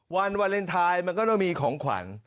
วันวาเลนไทยมันก็ต้องมีของขวัญ